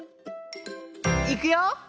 いくよ！